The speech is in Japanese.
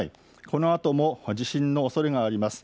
このあとも地震のおそれがあります。